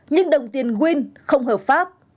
nhưng đồng tiền win không hợp pháp